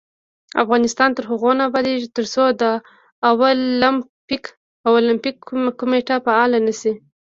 افغانستان تر هغو نه ابادیږي، ترڅو د اولمپیک کمیټه فعاله نشي.